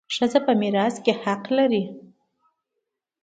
ښځه په میراث کي حق لري.